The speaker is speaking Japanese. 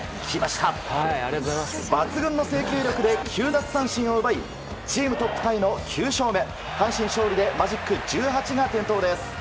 抜群の制球力で９奪三振を奪いチームトップタイの９勝目。